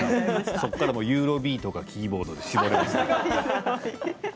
そこからユーロビートかキーボードで絞りました。